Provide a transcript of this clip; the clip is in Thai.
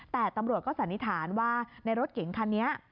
แต่ตำรวจก็สันนิษฐานว่าในรถเก๋งคันนี้